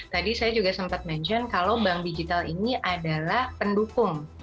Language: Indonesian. tadi saya juga sempat mention kalau bank digital ini adalah pendukung